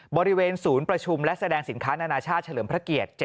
บริเวณศูนย์ประชุมและแสดงสินค้านานาชาติเฉลิมพระเกียรติ